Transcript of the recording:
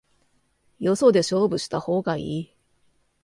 よそで勝負した方がいい